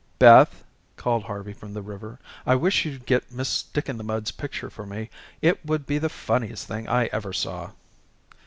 "Beth," called Harvey from the river, "I wish you'd get Miss Stick in the Mud's picture for me. It would be the funniest thing I ever saw."